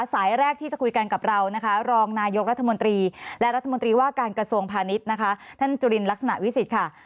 สายแรกที่จะคุยกันกับเรานะคะรองนายกรัฐมนตรีและรัฐมนตรีว่าการกระทรวงพาณิชย์นะคะท่านจุลินลักษณะวิสิทธิ์ค่ะ